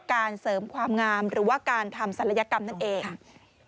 การเสริมความงามหรือว่าการทำศัลยกรรมนั่นเอง